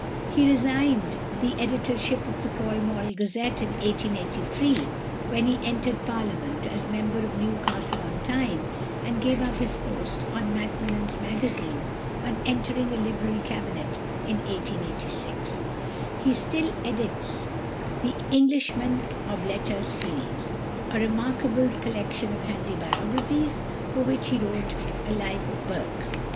He resigned the editorship of the Pall Mall Gazette in 1883, when he entered Parliament as member for Newcastle on Tyne, and he gave up his post on Macmillan's Magazine on entering a Liberal Cabinet in 1886. He still edits the "English Men of Letters Series," a remarkable collection of handy biographies, for which he wrote a "Life of Burke."